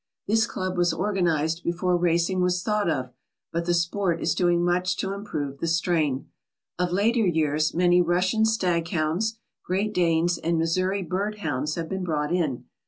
This club was organized before racing was thought of, but the sport is doing much to improve the strain. Of late years many Russian stag hounds, Great Danes, and Missouri bird hounds have been brought in.